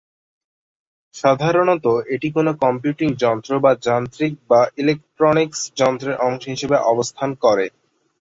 সাধারণত এটি কোন কম্পিউটিং যন্ত্র বা যান্ত্রিক বা ইলেকট্রনিক্স যন্ত্রের অংশ হিসাবে অবস্থান করে।